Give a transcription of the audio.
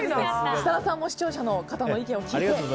設楽さんも視聴者の方の意見を聞いて。